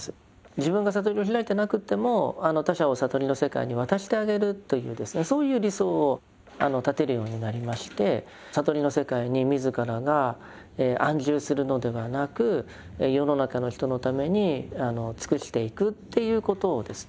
自分が悟りを開いてなくても他者を悟りの世界に渡してあげるというそういう理想を立てるようになりまして悟りの世界に自らが安住するのではなく世の中の人のために尽くしていくっていうことをですね